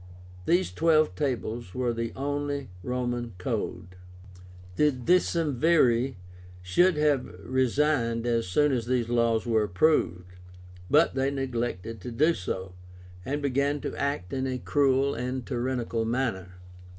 These TWELVE TABLES were the only Roman code. The DECEMVIRI should have resigned as soon as these laws were approved, but they neglected to do so, and began to act in a cruel and tyrannical manner.